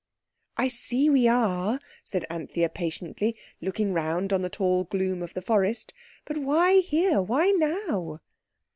"I see we are," said Anthea patiently, looking round on the tall gloom of the forest. "But why here? Why _now?